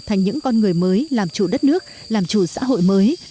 thành những con người mới làm chủ đất nước làm chủ xã hội mới